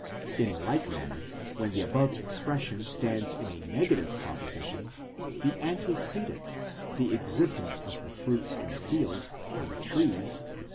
In like manner, when the above expression stands in a negative proposition, the axdecedent, the existence of the fruits in the field, on the trees, etc.